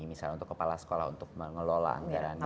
misalnya untuk kepala sekolah untuk mengelola anggarannya sendiri